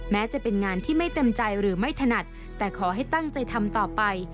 แม้จะเป็นงานที่ไม่เต็มใจหรือไม่ถนัดแต่ขอให้ตั้งใจทำต่อไป